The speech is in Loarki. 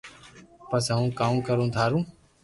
پسي ھون ڪاوُ ڪرو ٿارو